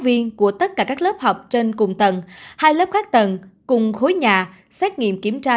viên của tất cả các lớp học trên cùng tầng hai lớp các tầng cùng khối nhà xét nghiệm kiểm tra